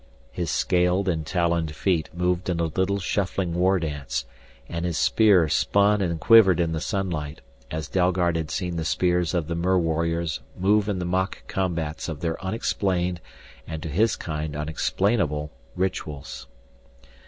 His scaled and taloned feet moved in a little shuffling war dance, and his spear spun and quivered in the sunlight, as Dalgard had seen the spears of the mer warriors move in the mock combats of their unexplained, and to his kind unexplainable, rituals.